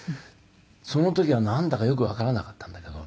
その時はなんだかよくわからなかったんだけど。